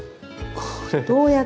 これ。